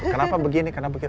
kenapa begini kenapa begitu